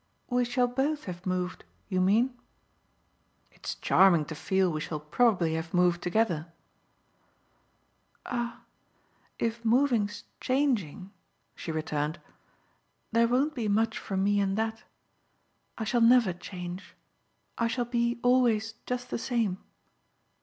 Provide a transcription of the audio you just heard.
"We shall both have moved, you mean?" "It's charming to feel we shall probably have moved together." "Ah if moving's changing," she returned, "there won't be much for me in that. I shall never change I shall be always just the same.